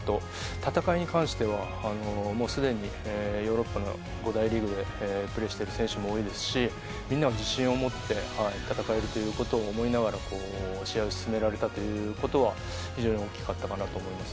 戦いに関しては、もうすでにヨーロッパの５大リーグでプレーしている選手も多いですしみんなも自信を持って戦えるということを思いながら試合を進められたということは非常に大きかったかなと思います。